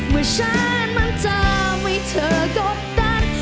เมื่อฉันมันทำให้เธอกบตัด